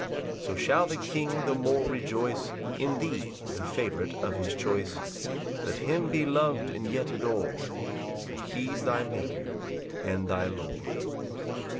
4 So shall the King the more rejoice In thee, the favourite of his choice; Let him be lov'd and yet ador'd, For he's thy Maker and thy Lord.